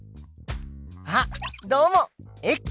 あっどうもです。